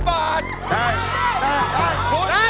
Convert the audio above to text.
ข้อภาพได้